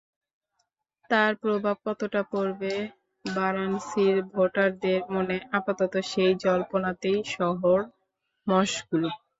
তার প্রভাব কতটা পড়বে বারানসির ভোটারদের মনে, আপাতত সেই জল্পনাতেই শহর মশগুল।